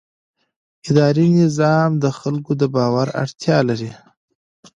اداري نظام د خلکو د باور اړتیا لري.